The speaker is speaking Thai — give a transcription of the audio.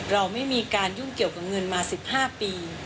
เราไม่มีการยุ่งเกี่ยวกับเงินมา๑๕ปี